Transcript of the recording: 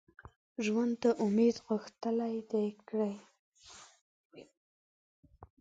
ژوند ته امید غښتلی کړي